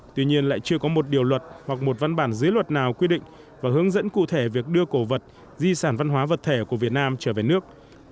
tuy nhiên lại chưa có một điều luật hoặc một văn bản dưới luật nào quy định và hướng dẫn cụ thể việc đưa cổ vật di sản văn hóa vật thể của việt nam trở về nước